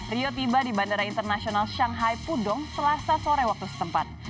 rio tiba di bandara internasional shanghai pudong selasa sore waktu setempat